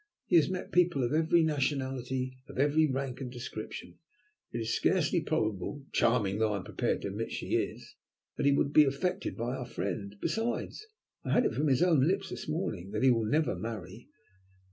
He has met people of every nationality, of every rank and description. It is scarcely probable, charming though I am prepared to admit she is, that he would be attracted by our friend. Besides, I had it from his own lips this morning that he will never marry."